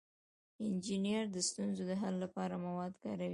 انجینر د ستونزو د حل لپاره مواد کاروي.